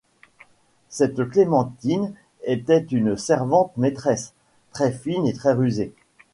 Cette Clémentine était une servante-maîtresse, très fine et très rusée.